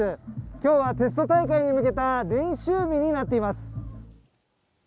今日はテスト大会に向けた練習日になっています。